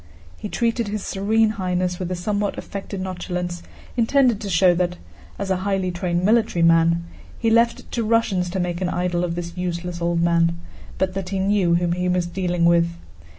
He treated his Serene Highness with a somewhat affected nonchalance intended to show that, as a highly trained military man, he left it to Russians to make an idol of this useless old man, but that he knew whom he was dealing with.